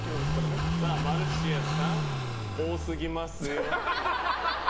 マルシアさん、多すぎますよ。